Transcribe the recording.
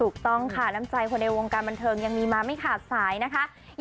ถูกต้องค่ะน้ำใจคนในวงการบันเทิงยังมีมาไม่ขาดสายนะคะ